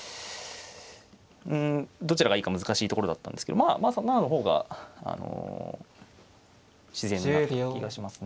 うんどちらがいいか難しいところだったんですけどまあ３七の方があの自然な気がしますね。